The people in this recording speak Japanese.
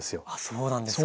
そうなんですか。